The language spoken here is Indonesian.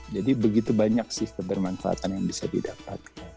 jadi begitu banyak sih kebermanfaatan yang bisa didapat